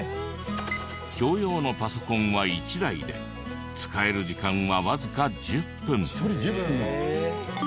共用のパソコンは１台で使える時間はわずか１０分。